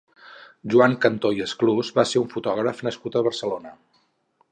Joan Cantó i Esclús va ser un fotògraf nascut a Barcelona.